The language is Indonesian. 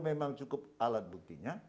memang cukup alat buktinya